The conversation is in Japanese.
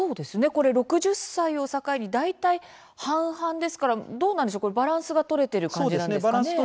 ６０歳を境に大体半々ですからバランスが取れている感じですね。